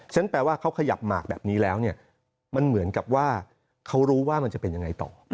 แปลว่าเขาขยับหมากแบบนี้แล้วเนี่ยมันเหมือนกับว่าเขารู้ว่ามันจะเป็นยังไงต่อ